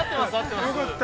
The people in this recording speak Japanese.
よかった。